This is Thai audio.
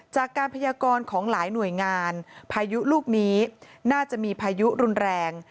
จากการพยากรของหลายหน่วยงานพายุลูกนี้น่าจะมีพายุรุนแรง